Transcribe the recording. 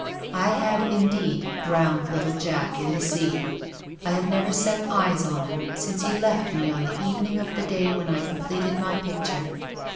I had indeed drowned little Jack in the sea. I have never set eyes on him since he left me on the evening of the day when I completed my picture.